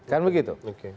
kan begitu oke